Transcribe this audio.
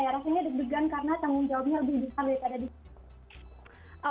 rasanya deg degan karena tanggung jawabnya lebih besar daripada di sini